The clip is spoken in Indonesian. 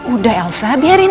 udah elsa biarin andi ya